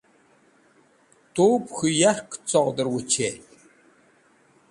Tub k̃hũ yarkẽ coghdẽr wechel?